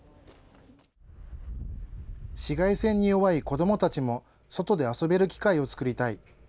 紫外線に弱い子どもたちも、外で遊べる機会を作りたい。